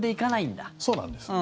そうなんです。